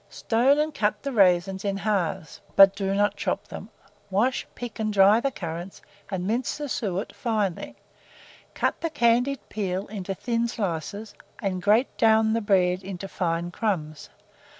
Stone and cut the raisins in halves, but do not chop them; wash, pick, and dry the currants, and mince the suet finely; cut the candied peel into thin slices, and grate down the bread into fine crumbs.